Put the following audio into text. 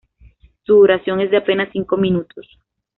Su duración es de apenas cinco minutos.